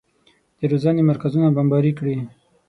د روزنې مرکزونه بمباري کړي.